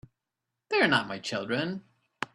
They're not my children.